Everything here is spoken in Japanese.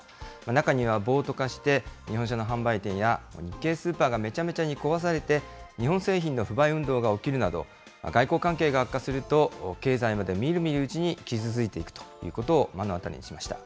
中には暴徒化して、日本車の販売店や日系スーパーがめちゃめちゃに壊されて、日本製品の不買運動が起きるなど、外交関係が悪化すると経済まで見る見るうちに傷ついていくということを目の当たりにしました。